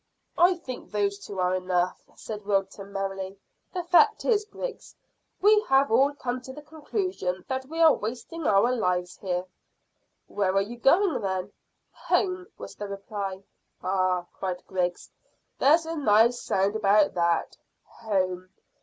"I think those two are enough," said Wilton merrily. "The fact is, Griggs, we have all come to the conclusion that we are wasting our lives here." "Where are you going, then?" "Home," was the reply. "Ah!" cried Griggs. "There's a nice sound about that Home.